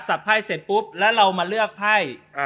ไพ่เสร็จปุ๊บแล้วเรามาเลือกไพ่